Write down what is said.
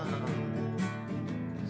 kalau perlu apa